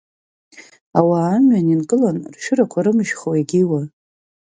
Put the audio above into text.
Ауаа амҩан инкылан ршәырқәа рымышәхуа егьиуа…